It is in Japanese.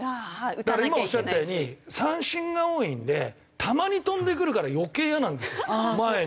だから今おっしゃったように三振が多いんでたまに飛んでくるから余計イヤなんですよ前に。